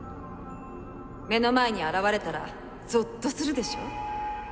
目の前に現れたらぞっとするでしょ？